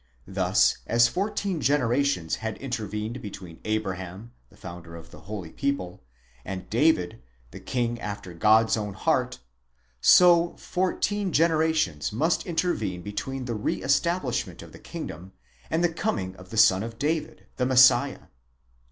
Thus, as fourteen generations had intervened between Abraham, the founder of the holy people, and David the king after God's own heart, so fourteen generations must intervene between the re estab lishment of the kingdom and the coming of the son of David, the Messiah.